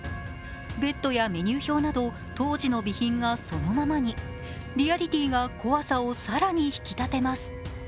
ベッドやメニュー表など当時の備品がそのままにリアリティが怖さを更に引き立てます。